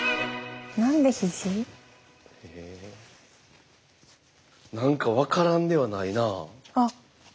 何か分からんではないな。